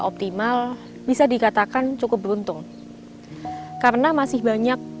optimal bisa dikatakan cukup beruntung karena masih banyak